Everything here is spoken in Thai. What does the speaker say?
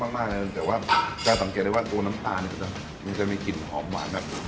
นี่ครบรสมากทีแต่ว่าใจสังเกตเป็นว่าตัวน้ำตามันจะมีกลิ่นหอมหวาน